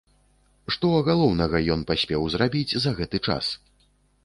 Што галоўнага ён паспеў зрабіць за гэты час?